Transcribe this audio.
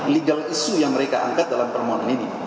legal issue yang mereka angkat dalam permohonan ini